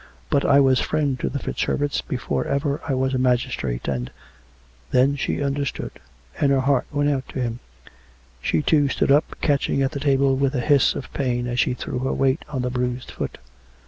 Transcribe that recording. But I was friend to the FitzHerberts before ever I was a magistrate, and " Then she understood; and her heart went out to him. She, too, stood up, catching at the table with a hiss of pain as she threw her weight on the bruised foot.